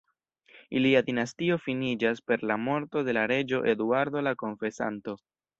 Ilia dinastio finiĝas per la morto de la reĝo Eduardo la Konfesanto.